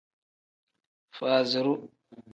Faaziru.